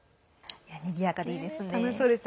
にぎやかでいいですね。